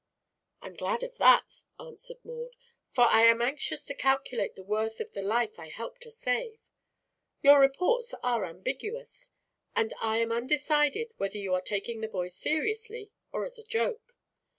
"I'm glad of that," answered Maud, "for I am anxious to calculate the worth of the life I helped to save. Your reports are ambiguous, and I am undecided whether you are taking the boy seriously or as a joke.